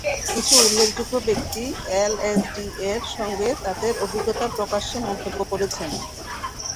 কিছু উল্লেখযোগ্য ব্যক্তি এলএসডি-এর সঙ্গে তাদের অভিজ্ঞতা প্রকাশ্যে মন্তব্য করেছেন।